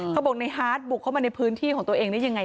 เขาบอกในฮาร์ดบุกเข้ามาในพื้นที่ของตัวเองได้ยังไง